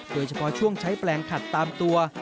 โดยเฉพาะช่วงใช้แปลงขัดตามตัว